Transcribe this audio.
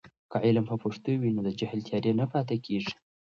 که علم په پښتو وي، نو د جهل تیارې نه پاتې کېږي.